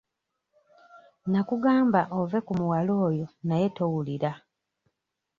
Nnakugamba ove ku muwala oyo naye towulira.